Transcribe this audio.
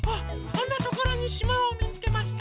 あんなところにしまをみつけました。